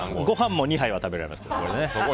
ご飯も２杯は食べられます。